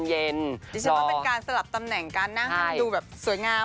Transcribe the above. ดิฉันว่าเป็นการสลับตำแหน่งการนั่งดูแบบสวยงาม